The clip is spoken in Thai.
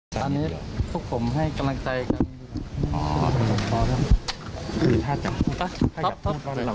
อยากให้กำลังใจก็ตามคุณอย่างไงค่ะ